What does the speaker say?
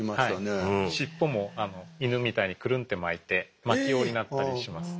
尻尾もイヌみたいにクルンって巻いて巻き尾になったりします。